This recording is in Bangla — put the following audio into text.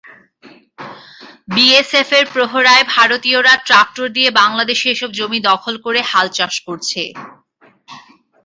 বিএসএফের প্রহরায় ভারতীয়রা ট্রাক্টর দিয়ে বাংলাদেশের এসব জমি দখল করে হালচাষ করছে।